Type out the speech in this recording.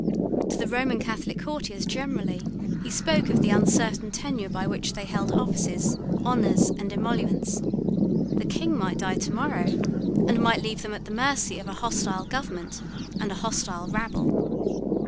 To the Roman Catholic courtiers generally he spoke of the uncertain tenure by which they held offices, honours, and emoluments. The King might die tomorrow, and might leave them at the mercy of a hostile government and a hostile rabble.